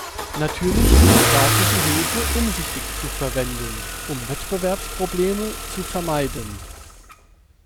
Natürlich ist staatliche Hilfe umsichtig zu verwenden, um Wettbewerbsprobleme zu vermeiden.